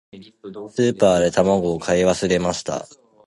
スーパーで卵を買い忘れました。